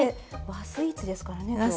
和スイーツですからね今日。